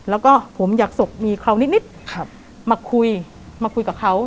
แล้วก็ผมอยากศพมีเขานิดมาคุยมาคุยกับเขา